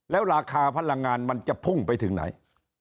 แล้วราคาพลังงานมันจะพุ่งไปถึงไหน